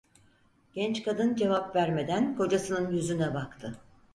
Genç kadın cevap vermeden kocasının yüzüne baktı.